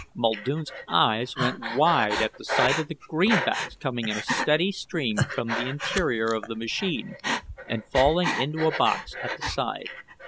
Muldoon's eyes went wide at the sight of the greenbacks coming in a steady stream from the interior of the machine and falling into a box at the side.